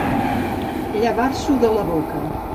Llevar-s'ho de la boca.